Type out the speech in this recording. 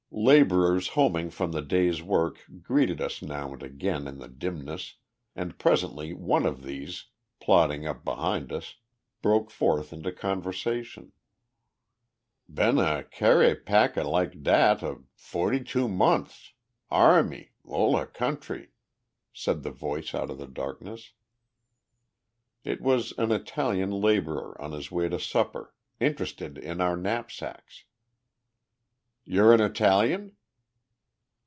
Labourers homing from the day's work greeted us now and again in the dimness, and presently one of these, plodding up behind us, broke forth into conversation: "Ben a carry pack a lik a dat a forty two months army ol a country," said the voice out of the darkness. It was an Italian labourer on his way to supper, interested in our knapsacks. "You're an Italian?"